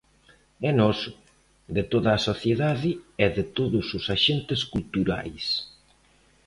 É noso, de toda a sociedade e de todos os axentes culturais.